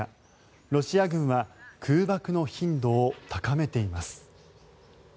ロシア軍は空爆の頻度を高めています。